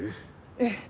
ええ。